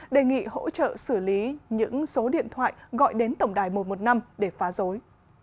đề nghị hỗ trợ xử lý những số điện thoại gọi đến tổng đài một trăm một mươi năm để phá rối